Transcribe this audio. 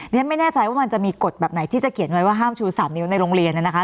ฉันไม่แน่ใจว่ามันจะมีกฎแบบไหนที่จะเขียนไว้ว่าห้ามชู๓นิ้วในโรงเรียนนะคะ